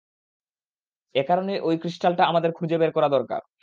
একারণেই ঐ ক্রিস্টালটা আমাদের খুঁজে বের করা দরকার।